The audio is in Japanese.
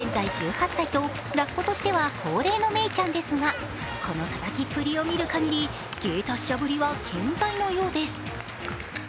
現在１８歳と、ラッコとしては高齢のメイちゃんですがこのたたきっぷりを見るかぎり芸達者ぶりは健在のようです。